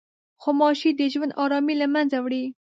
غوماشې د ژوند ارامي له منځه وړي.